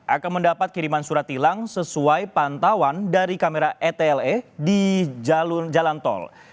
akan mendapat kiriman surat tilang sesuai pantauan dari kamera etle di jalur jalan tol